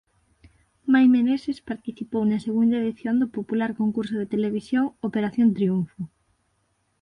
Mai Meneses participou na segunda edición do popular concurso de televisión "Operación Triunfo".